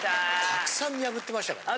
たくさん見破ってましたからね。